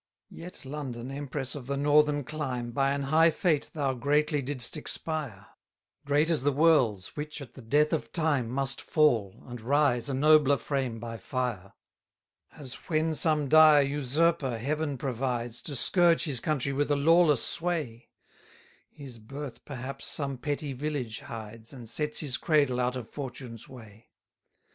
212 Yet London, empress of the northern clime, By an high fate thou greatly didst expire; Great as the world's, which, at the death of time Must fall, and rise a nobler frame by fire! 213 As when some dire usurper Heaven provides, To scourge his country with a lawless sway; His birth perhaps some petty village hides, And sets his cradle out of fortune's way.